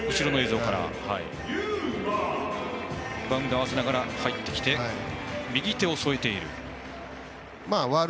バウンドに合わせながら入ってきて右手を添えている。